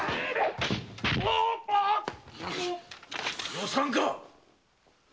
・よさんか！